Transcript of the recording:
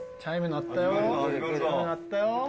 鳴ったよ